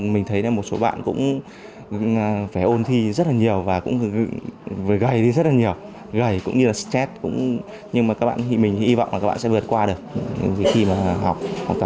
mình thấy một số bạn cũng phải ôn thi rất là nhiều và gầy rất là nhiều gầy cũng như là stress nhưng mà mình hy vọng là các bạn sẽ vượt qua được khi mà học